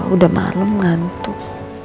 udah malem ngantuk